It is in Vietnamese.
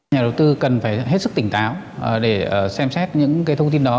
nhà đầu tư cần phải hết sức tỉnh táo để xem xét những thông tin đó